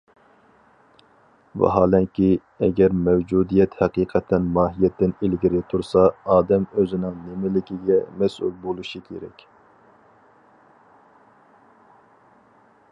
ۋاھالەنكى، ئەگەر مەۋجۇدىيەت ھەقىقەتەن ماھىيەتتىن ئىلگىرى تۇرسا، ئادەم ئۆزىنىڭ نېمىلىكىگە مەسئۇل بولۇشى كېرەك.